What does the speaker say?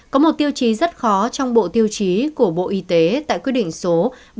có một tiêu chí rất khó trong bộ tiêu chí của bộ y tế tại quy định số ba nghìn chín trăm bảy mươi chín